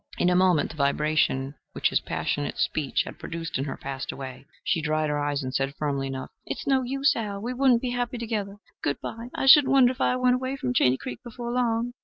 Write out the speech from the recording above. In a moment the vibration which his passionate speech had produced in her passed away. She dried her eyes and said firmly enough, "It's no use, Al: we wouldn't be happy together. Good bye! I shouldn't wonder if I went away from Chaney Creek before long."